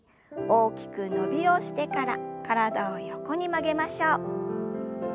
大きく伸びをしてから体を横に曲げましょう。